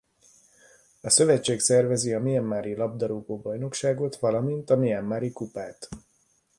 A szövetség szervezi a Mianmari labdarúgó-bajnokságot valamint a Mianmari kupát.